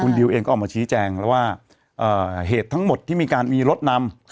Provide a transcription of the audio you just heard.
ดิวเองก็ออกมาชี้แจงแล้วว่าเหตุทั้งหมดที่มีการมีรถนำ